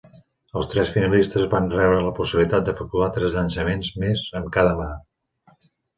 Els tres finalistes van rebre la possibilitat d'efectuar tres llançaments més amb cada mà.